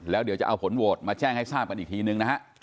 แล้วเดี๋ยวจะเอาผลโหวตมาแจ้งให้ทราบกันอีกทีนึงนะฮะ